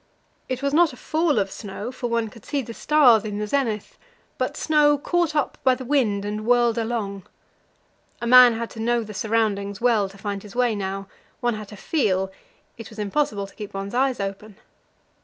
It was not a fall of snow, for one could see the stars in the zenith, but snow caught up by the wind and whirled along. A man had to know the surroundings well to find his way now; one had to feel it was impossible to keep one's eyes open.